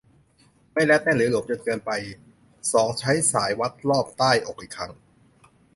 ไม่รัดแน่นหรือหลวมจนเกินไป สอง ใช้สายวัดวัดรอบใต้อกอีกครั้ง